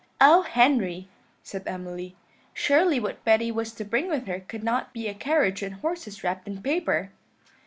"Oh, Henry," said Emily, "surely what Betty was to bring with her could not be a carriage and horses wrapped in paper."